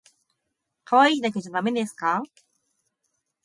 かわいいだけじゃだめですか